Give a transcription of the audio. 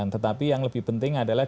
tetapi yang lebih penting adalah